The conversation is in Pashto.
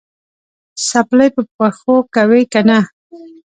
څپلۍ په پښو کوې که نه؟